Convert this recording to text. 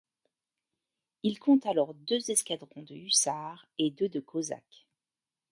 Il compte alors deux escadrons de hussards et deux de cosaques.